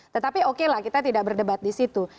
tetapi okelah kita tidak berdebat di situ